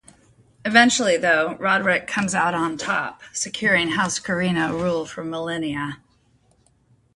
Eventually, though, Roderick comes out on top, securing House Corrino rule for millennia.